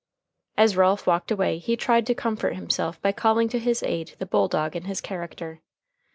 As Ralph walked away he tried to comfort himself by calling to his aid the bulldog in his character.